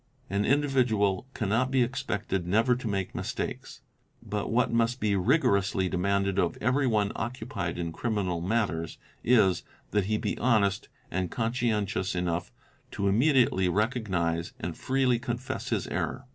An individual cannot be expected never to make mistakes, but what must be rigorously demanded of every one occupied in criminal matters is, that he be honest and conscientious enough to immediately recognise and freely confess his error.